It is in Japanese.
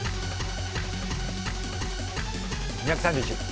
２３１。